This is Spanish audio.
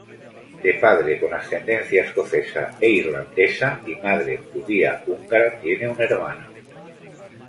De padre con ascendencia escocesa e irlandesa y madre judía-húngara, tiene un hermano.